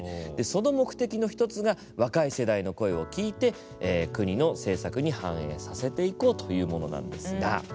その目的の一つが若い世代の声を聞いて国の政策に反映させていこうというものなんですが。